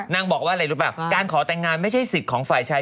นางบอกว่าอะไรรู้ป่ะการขอแต่งงานไม่ใช่สิทธิ์ของฝ่ายชาย